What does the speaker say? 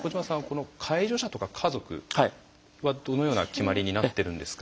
この介助者とか家族はどのような決まりになってるんですか？